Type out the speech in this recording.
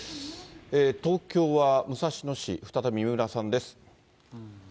東京は武蔵野市、再び三浦さんです。